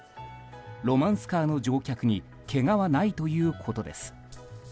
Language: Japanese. ロマンスカーの乗客にけがはないということです。